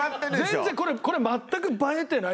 全然これ全く映えてないですよ。